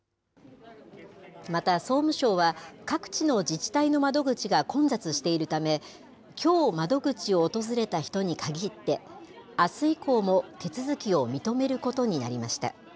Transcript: また総務省は、各地の自治体の窓口が混雑しているため、きょう窓口を訪れた人に限って、あす以降も手続きを認めることになりました。